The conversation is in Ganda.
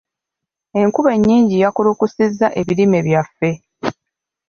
Enkuba ennyingi yakulukusizza ebirime byaffe.